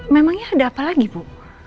memangnya ada apa lagi bu